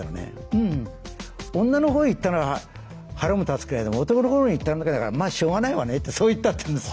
「うん女のほうへ行ったなら腹も立つけれども男のほうに行ったんだからまあしょうがないわね」ってそう言ったって言うんです。